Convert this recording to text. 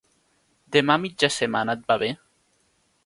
Demà a mitja setmana, et va bé?